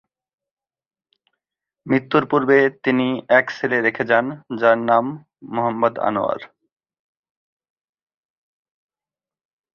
মৃত্যুর পূর্বে তিনি এক ছেলে রেখে যান, যার নাম মুহাম্মদ আনোয়ার।